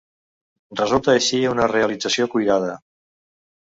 Resulta així una realització cuidada.